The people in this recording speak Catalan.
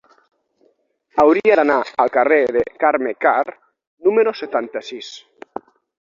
Hauria d'anar al carrer de Carme Karr número setanta-sis.